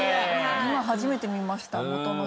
今初めて見ました元の人。